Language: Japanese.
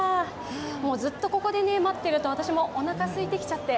ずっとここで待っていると私もおなかすいてきちゃって。